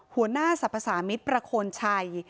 หัวหน้าสรรพสามิตรประโคนชัย